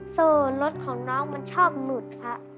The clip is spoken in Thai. โซ่รถของน้องมันชอบหลุดค่ะ